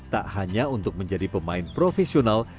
tak hanya untuk menjadi pemain profesional